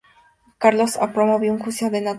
Carlos Albert promovió un juicio de nulidad N°.